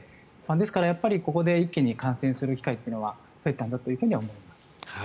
ですからここで一気に感染する機会というのが増えたんだと思います。